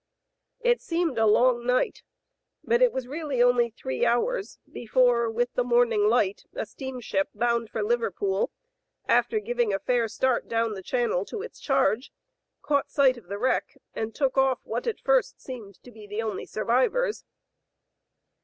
It seemed a long night, but it was really only three hours before, with the morning light, a steamship bound for Liverpool, after giving a fair start down channel to its charge, caught sight of the wreck and took off what at first seemed to be the only survivors.